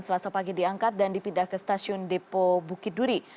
selasa pagi diangkat dan dipindah ke stasiun depo bukit duri